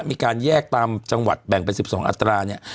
มีการแยกตามจังหวัดแบ่งเป็น๑๒อัตราเนี่ย